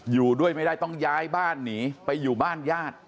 อยู่ด้วยไม่ได้ต้องย้ายบ้านหนีไปอยู่บ้านญาติ